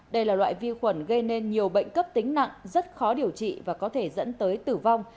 đây là loại vi khuẩn gây nên nhiều bệnh cấp tính nặng rất khó điều trị và có thể dẫn tới tử vong